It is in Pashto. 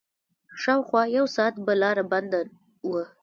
شاوخوا يو ساعت به لاره بنده وه.